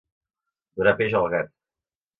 Donar peix al gat.